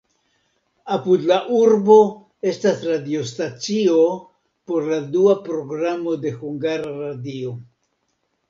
Apud la urbo estas radiostacio por la dua programo de Hungara Radio.